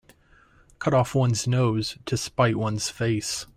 Cut off one's nose to spite one's face.